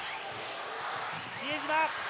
比江島。